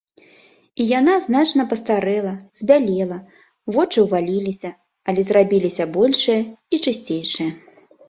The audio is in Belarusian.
І яна значна пастарэла, збялела, вочы ўваліліся, але зрабіліся большыя і чысцейшыя.